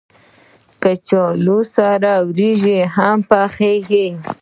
کچالو سره وريجې هم پخېږي